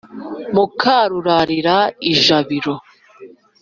muka rurarira ijabiro.